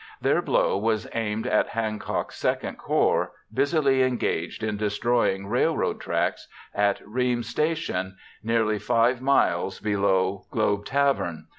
Their blow was aimed at Hancock's II Corps busily engaged in destroying railroad tracks at Reams Station, nearly 5 miles below Globe Tavern.